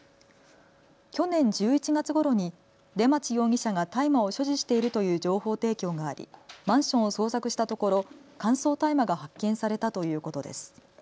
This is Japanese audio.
去年１１月ごろに出町容疑者が大麻を所持しているという情報提供があり、マンションを捜索したところ乾燥大麻が発見されたということです。